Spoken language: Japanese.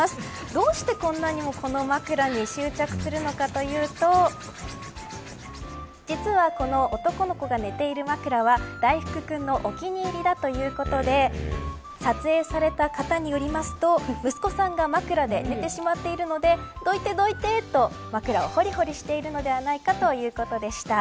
どうして、こんなにもこの枕に執着するのかというと実はこの男の子が寝ている枕はダイフクくんのお気に入りだということで撮影された方によりますと息子さんが枕で寝てしまっているのでどいてどいてと枕をほりほりしていたのではないかということでした。